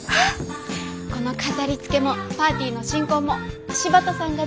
この飾りつけもパーティーの進行も柴田さんが全部考えてくれました。